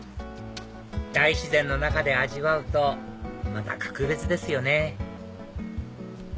大自然の中で味わうとまた格別ですよね